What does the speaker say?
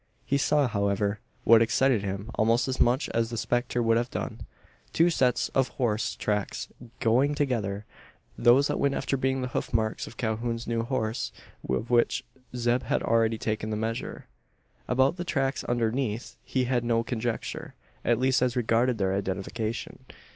He saw, however, what excited him almost as much as the spectre would have done: two sets of horse tracks going together those that went after being the hoof marks of Calhoun's new horse of which Zeb had already taken the measure. About the tracks underneath he had no conjecture at least as regarded their identification.